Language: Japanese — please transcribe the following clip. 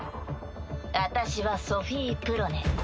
私はソフィ・プロネ。